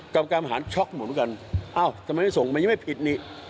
กรรมการประหารช็อกเหมือนกันเอ้าทำไมไม่ส่งมันยังไม่ผิดนี่